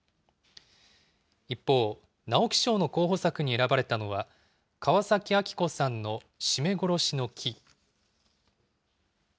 一方、直木賞の候補作に選ばれたのは、河崎秋子さんの絞め殺しの樹。